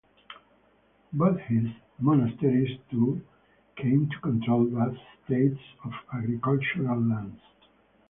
Buddhist monasteries too, came to control vast estates of agricultural lands.